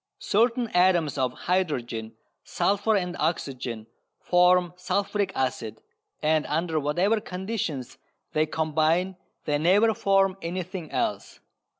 Certain atoms of hydrogen, sulphur and oxygen form sulphuric acid, and under whatever conditions they combine they never form anything else.